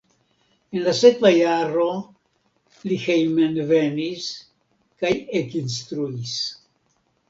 En la sekva jaro li hejmenvenis kaj ekinstruis.